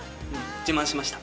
自慢しました。